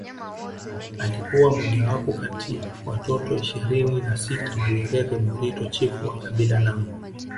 Alikuwa mojawapo kati watoto ishirini na sita wa Nyerere Burito chifu wa kabila lao